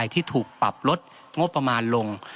ที่ถูกปรับลดงบประมาณลง